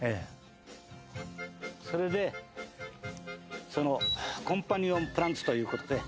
それでそのコンパニオンプランツという事で。